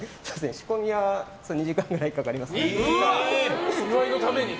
仕込みは２時間くらいかかりますね。